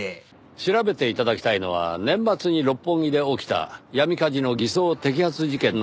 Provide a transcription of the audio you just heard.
調べて頂きたいのは年末に六本木で起きた「闇カジノ偽装摘発事件」の事なんです。